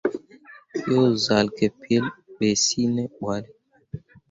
Yo zal ke pelɓe cea ne ɓalle.